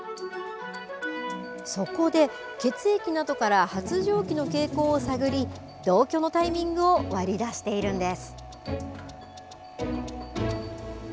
そこで、血液などから発情期の傾向を探り同居のタイミングを割り出しているんです。